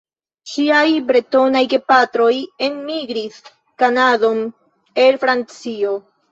Ŝiaj bretonaj gepatroj enmigris Kanadon el Francio.